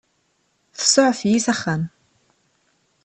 Tsuɛef-iyi s axxam.